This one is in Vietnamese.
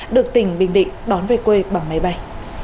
được tỉnh bình định đón về quê bằng máy bay